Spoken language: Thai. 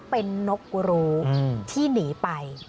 เป็นนกรู้ที่หนีไป